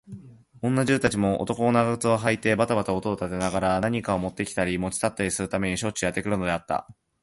女中たちも、男物の長靴をはいてばたばた音を立てながら、何かをもってきたり、もち去ったりするためにしょっちゅうやってくるのだった。